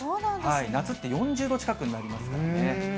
夏って４０度近くになりますからね。